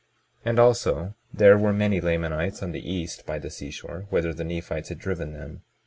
22:29 And also there were many Lamanites on the east by the seashore, whither the Nephites had driven them.